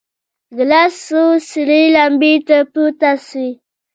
گړز سو سرې لمبې ترې پورته سوې.